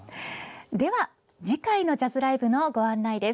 次回のジャズライブのご案内です。